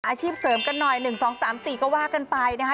อาชีพเสริมกันหน่อย๑๒๓๔ก็ว่ากันไปนะคะ